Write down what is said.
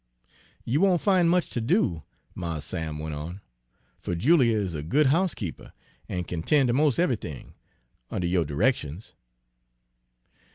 "'You won' fin' much ter do,' Mars Sam went on, 'fer Julia is a good housekeeper, an' kin ten' ter mos' eve'ything, under yo' d'rections.'